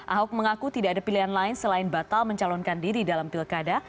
ahok mengaku tidak ada pilihan lain selain batal mencalonkan diri dalam pilkada